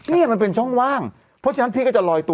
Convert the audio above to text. นี่มันเป็นช่องว่างเพราะฉะนั้นพี่ก็จะลอยตัว